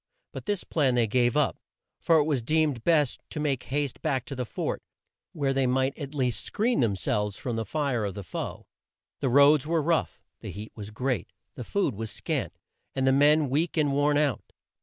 But this plan they gave up, for it was deemed best to make haste back to the fort, where they might at least screen them selves from the fire of the foe. The roads were rough; the heat was great; the food was scant, and the men weak and worn out.